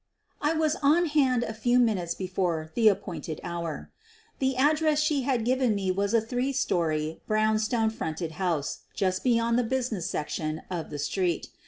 ' I was on hand a few minutes before the appointed hour. The address she had given me was a three story brownstone front house just beyond the busi ness section of the street.